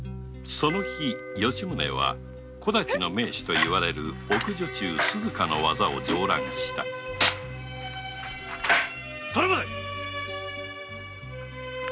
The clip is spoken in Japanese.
その日吉宗は小太刀の名手といわれる奥女中鈴加の技を上覧したそれまで引き分け。